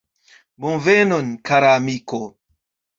Bonvenon, kara amiko!